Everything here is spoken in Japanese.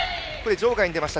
場外に出ました。